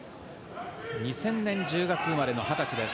２０００年１０月生まれの２０歳です。